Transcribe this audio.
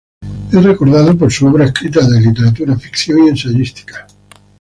Es recordado por su obra escrita de literatura ficción y ensayística.